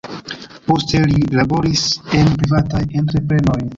Poste li laboris en privataj entreprenoj.